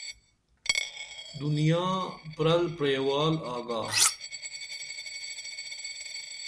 دنیا پرل پریوال آگا